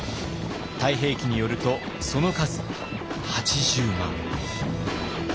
「太平記」によるとその数８０万。